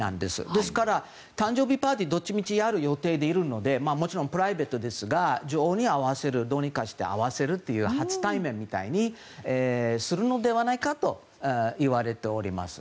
ですから、誕生日パーティーどっちみちやる予定でいるのでプライベートですが女王にどうにかして会わせるという初対面みたいにするのではないかといわれております。